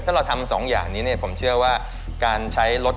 ถ้าเราทำ๒อย่างนี้ผมเชื่อว่าการใช้รถ